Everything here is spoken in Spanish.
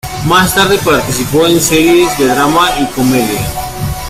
Más tarde participó en series de drama y comedia.